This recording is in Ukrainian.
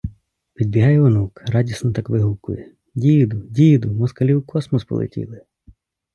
Підбігає онук, радісно так вигукує: “Діду, діду, москалі у космос полетіли!”